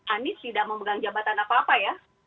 anies tidak memegang jabatan apa apa ya